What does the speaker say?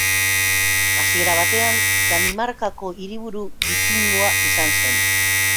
Hasiera batean, Danimarkako hiriburu bikingoa izan zen.